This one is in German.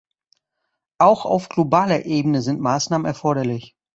Auch auf globaler Ebene sind Maßnahmen erforderlich.